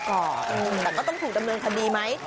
แต่ก็ต้องถูกดำเนินคดีไหม